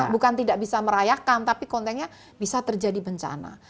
bukan tidak bisa merayakan tapi kontennya bisa terjadi bencana